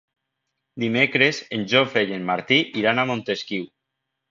Dimecres en Jofre i en Martí iran a Montesquiu.